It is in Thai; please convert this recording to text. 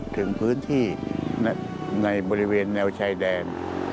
ถึงพื้นที่ในบริเวณแนวชายแดน